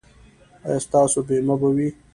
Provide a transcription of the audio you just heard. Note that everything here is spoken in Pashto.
ایا ستاسو بیمه به وي؟